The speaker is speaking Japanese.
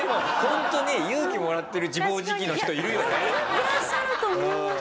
いらっしゃると思います。